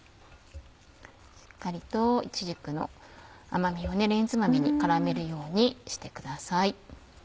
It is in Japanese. しっかりといちじくの甘味をレンズ豆に絡めるようにしてください。